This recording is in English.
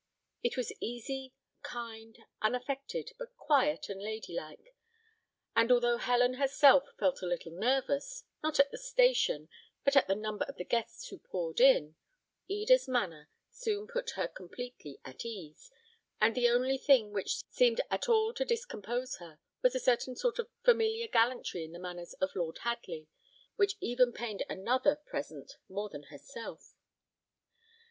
It was easy, kind, unaffected, but quiet and ladylike; and although Helen herself felt a little nervous, not at the station, but at the number of the guests who poured in, Eda's manner soon put her completely at ease, and the only thing which seemed at all to discompose her, was a certain sort of familiar gallantry in the manners of Lord Hadley, which even pained another present more than herself.